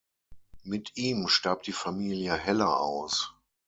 Mit ihm starb die Familie Heller aus.